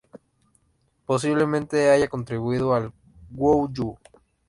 Posiblemente haya contribuido al "Guo Yu".